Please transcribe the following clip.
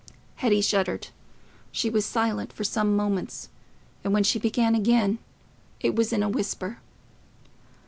Hetty shuddered. She was silent for some moments, and when she began again, it was in a whisper.